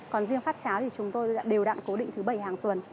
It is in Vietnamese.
còn riêng phát cháo thì chúng tôi đều đặn cố định thứ bảy hàng tuần